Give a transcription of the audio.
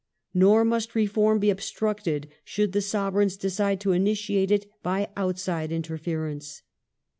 ^ Nor must re form be obstructed, should the Sovereigns decide to initiate it, by outside interference.